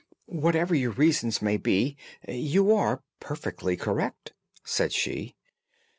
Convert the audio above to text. "Whatever your reasons may be, you are perfectly correct," said she.